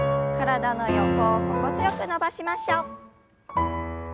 体の横を心地よく伸ばしましょう。